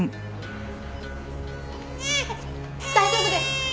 大丈夫です！